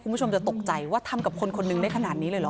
คุณผู้ชมจะตกใจว่าทำกับคนคนหนึ่งได้ขนาดนี้เลยเหรอ